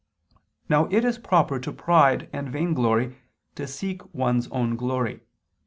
Now it is proper to pride and vainglory to seek one's own glory.